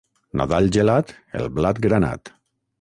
Nadal gelat, el blat granat.